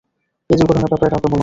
এই দুর্ঘটনার ব্যাপারে কাউকে বলো না।